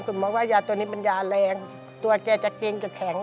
หมอว่ายาตัวนี้มันยาแรงตัวแกจะเกรงจะแข็ง